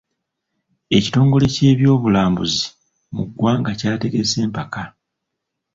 Ekitongole ky'ebyobulambuzi mu ggwanga kyategese empaka.